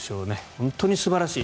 本当に素晴らしい。